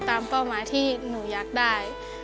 เป้าหมายที่หนูอยากได้